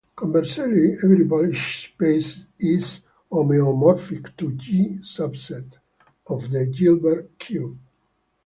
Conversely, every Polish space is homeomorphic to a G-subset of the Hilbert cube.